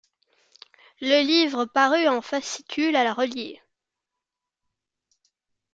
Le livre parut en fascicules à relier.